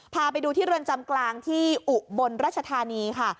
พาไปดูที่เรือนจำกลางที่อุบลราชธานีค่ะ